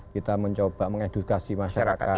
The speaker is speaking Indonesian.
kita mencoba mengedukasi masyarakat